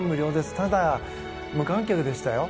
ただ無観客でしたよ。